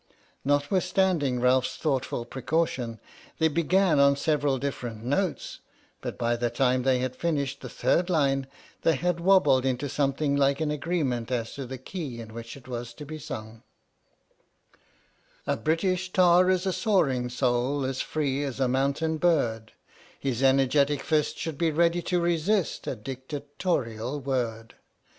Notwithstanding Ralph's thoughtful precaution, they began on seven different notes, but by the time they had finished the third line they had wobbled into something like an agreement as to the key in which it was to be sung: A British Tar is a soaring soul As free as a mountain bird; His energetic fist should be ready to resist A dictatorial word.